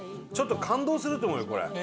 ちょっと感動すると思うよこれ。